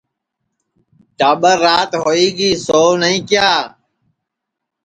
ٹاٻر رات ہوئی گی سؤ نائی کیا